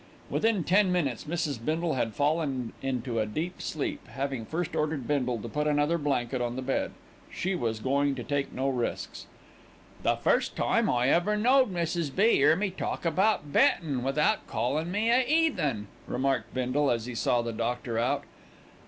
Within ten minutes Mrs. Bindle had fallen into a deep sleep, having first ordered Bindle to put another blanket on the bed she was going to take no risks. "The first time I ever knowed Mrs. B. 'ear me talk about bettin' without callin' me a 'eathen," remarked Bindle, as he saw the doctor out.